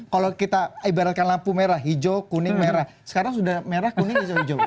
kalau kita ibaratkan lampu merah hijau kuning merah sekarang sudah merah kuning hijau